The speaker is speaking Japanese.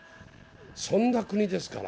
そんな国ですから。